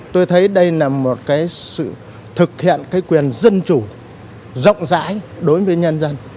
tôi thấy đây là một sự thực hiện quyền dân chủ rộng rãi đối với nhân dân